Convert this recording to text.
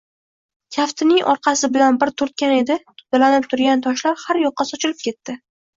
Kaftining orqasi bilan bir turtgan edi, to‘dalanib turgan toshlar har yoqqa sochilib ketdi.